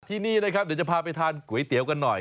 ที่นี่นะครับเดี๋ยวจะพาไปทานก๋วยเตี๋ยวกันหน่อย